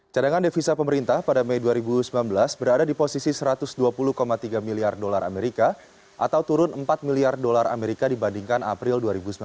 cadangan devisa pemerintah pada mei dua ribu sembilan belas berada di posisi satu ratus dua puluh tiga miliar dolar amerika atau turun empat miliar dolar amerika dibandingkan april dua ribu sembilan belas